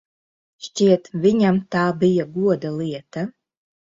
Šķiet, viņam tā bija goda lieta.